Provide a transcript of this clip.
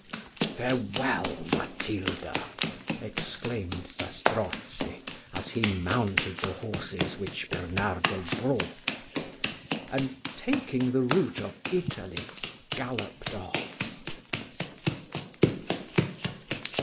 "Farewell, Matilda," exclaimed Zastrozzi, as he mounted the horses which Bernardo brought; and, taking the route of Italy, galloped off.